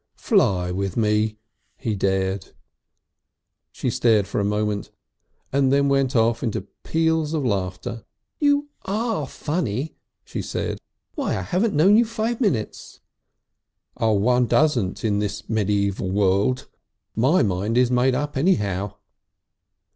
"Fly with me!" he dared. She stared for a moment, and then went off into peals of laughter. "You are funny!" she said. "Why, I haven't known you five minutes." "One doesn't in this medevial world. My mind is made up, anyhow."